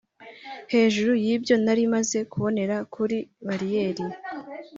Hejuru y’ibyo nari maze kubonera kuri bariyeri